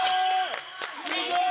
すごい！